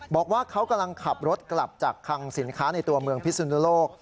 บอกว่าเขากำลังขับรถกลับจากคังสินค้าในตัวเมืองพิสุนุโลก